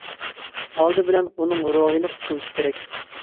ئالدى بىلەن ئۇنىڭ روھىنى قۇتقۇزۇش كېرەك.